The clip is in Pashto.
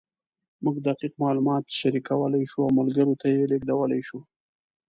موږ دقیق معلومات شریکولی شو او ملګرو ته یې لېږدولی شو.